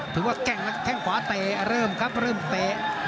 ถือว่าแข็งแข็งขวาเตเริ่มครับเริ่มเต